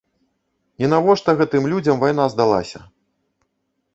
І навошта гэтым людзям вайна здалася?!